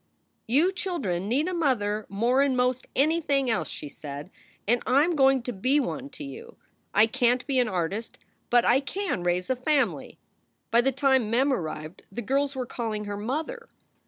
"You children need a mother more n most anything else," she said, "and I m going to be one to you. I can t be an artist, but I can raise a family." By the time Mem arrived the girls were calling her "Mother."